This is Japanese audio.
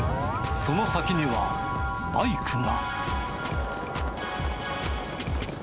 その先には、バイクが。